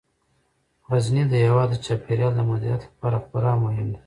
غزني د هیواد د چاپیریال د مدیریت لپاره خورا مهم دی.